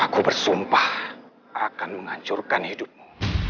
aku bersumpah akan menghancurkan hidupmu